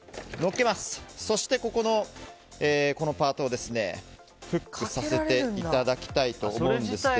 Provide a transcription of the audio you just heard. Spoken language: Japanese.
そしてこのパートをフックさせていただきたいと思うんですが。